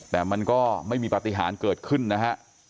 แต่มันก็ไม่มีปฏิหารเกิดขึ้นนะฮะ